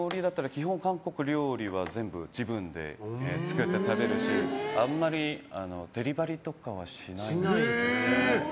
基本、韓国料理は自分で作って食べるしあんまりデリバリーとかはしないですね。